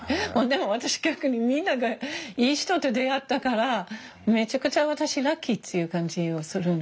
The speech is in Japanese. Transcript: でも私逆にみんながいい人と出会ったからめちゃくちゃ私ラッキーっていう感じするので。